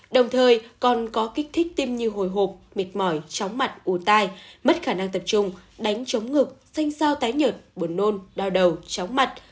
đồng thời còn có kích thích tim như hồi hộp mệt mỏi chóng mặt ủ tai mất khả năng tập trung đánh chống ngực xanh sao tái nhợt buồn nôn đau đầu chóng mặt